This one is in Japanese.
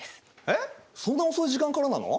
えっそんな遅い時間からなの？